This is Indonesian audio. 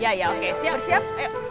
iya ya oke siap siap